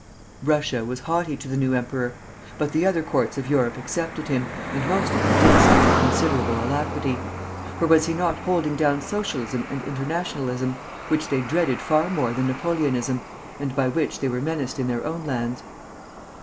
Russia was haughty to the new emperor; but the other courts of Europe accepted him, and most of them did so with considerable alacrity; for was he not holding down Socialism and Internationalism, which they dreaded far more than Napoleonism, and by which they were menaced in their own lands?